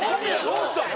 どうしたん？